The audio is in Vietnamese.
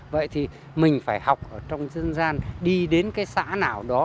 vậy thì mình phải học ở trong dân gian đi đến cái xã nào đó